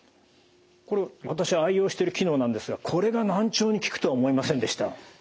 これ私愛用してる機能なんですがこれが難聴に効くとは思いませんでした。